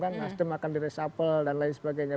nasdem akan diresapel dan lain sebagainya